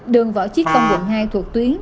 đường bảo chí công quận hai thuộc tuyến